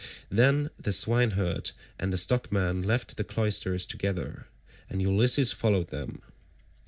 Then the swineherd and the stockman left the cloisters together, and Ulysses followed them.